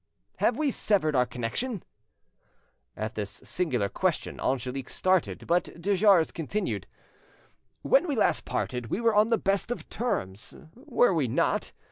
"Have we severed our connection?" At this singular question Angelique started, but de Jars continued— "When last we parted we were on the best of terms, were we not?